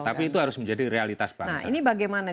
tapi itu harus menjadi realitas bangsa ini bagaimana